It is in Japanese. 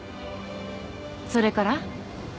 それから？